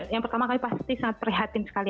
yang pertama kami pasti sangat prihatin sekali